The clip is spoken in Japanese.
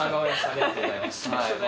ありがとうございます。